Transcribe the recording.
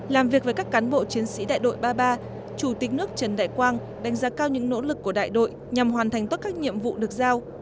làm việc với các cán bộ chiến sĩ đại đội ba mươi ba chủ tịch nước trần đại quang đánh giá cao những nỗ lực của đại đội nhằm hoàn thành tốt các nhiệm vụ được giao